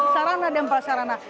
sarana dan prasarana